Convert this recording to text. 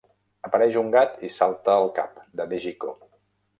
Apareix un gat i salta al cap de Dejiko.